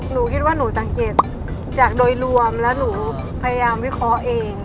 หนูคิดว่าหนูสังเกตจากโดยรวมแล้วหนูพยายามวิเคราะห์เอง